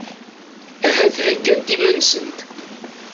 Ahat heggant iman-nsent.